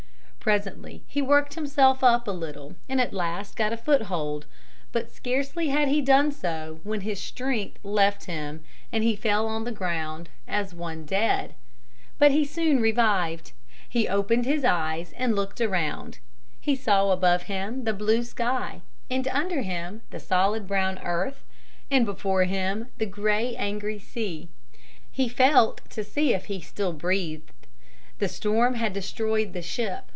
Presently he worked himself up a little and at last got a foothold. But, scarcely had he done so, when his strength left him and he fell on the ground as one dead. But he soon revived. He opened his eyes and looked around. He saw above him the blue sky, and under him the solid brown earth, and before him the gray angry sea. He felt to see if he still breathed. The storm had destroyed the ship.